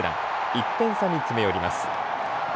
１点差に詰め寄ります。